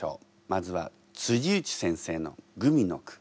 まずは内先生のグミの句。